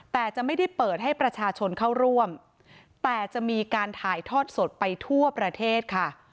แต่จะไม่ได้เปิดให้ประชาชนเข้าร่วมแต่จะมีการถ่ายทอดสดไปทั่วประเทศค่ะ